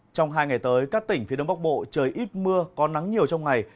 trong hai ngày tới các tỉnh phía đông bắc bộ trời ít mưa có nắng nhiều trong ngày